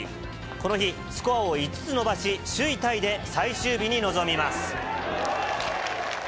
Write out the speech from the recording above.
この日、スコアを５つ伸ばし、首位タイで最終日に臨みます。